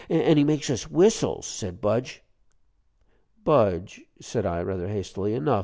"An' he makes us whistles," said Budge. "Budge," said I, rather hastily, "enough.